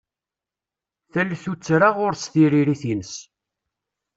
Tal tuttra ɣur-s tiririt-ines.